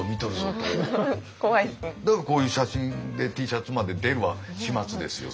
だからこういう写真でＴシャツまで出る始末ですよ